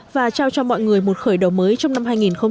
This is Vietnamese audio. và trao cho mọi người một khởi đầu mới trong năm hai nghìn hai mươi